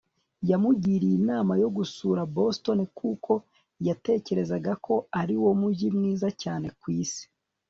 yamugiriye inama yo gusura boston, kuko yatekerezaga ko ariwo mujyi mwiza cyane ku isi